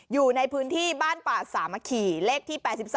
อยู่ในพื้นที่บ้านป่าสามะขี่เลขที่๘๒